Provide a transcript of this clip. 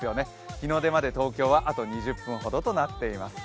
日の出まで東京はあと２０分ほどとなっています